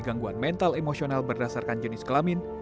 gangguan mental emosional berdasarkan jenis kelamin